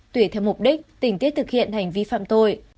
tuy theo mục đích tỉnh tiết thực hiện hành vi phạm tội